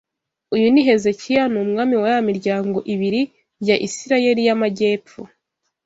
Uyu ni Hezekiya Ni umwami wa ya miryango ibiri ya Isirayeli y’amajyepfo